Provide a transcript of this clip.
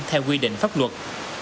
theo quy định pháp luật